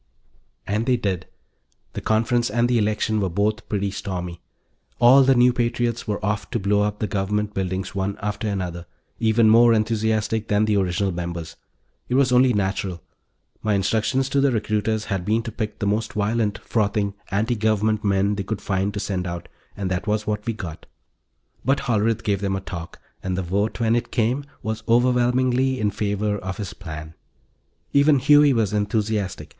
And they did. The conference and the election were both pretty stormy. All the new patriots were off to blow up the Government buildings one after another, even more enthusiastic than the original members. It was only natural; my instructions to the recruiters had been to pick the most violent, frothing anti Government men they could find to send out, and that was what we got. But Hollerith gave them a talk, and the vote, when it came, was overwhelmingly in favor of his plan. Even Huey was enthusiastic.